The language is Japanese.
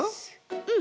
うん。